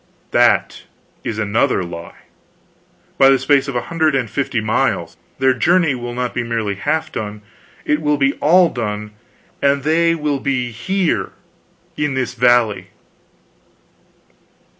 "That is another lie, by the space of a hundred and fifty miles. Their journey will not be merely half done, it will be all done, and they will be here, in this valley."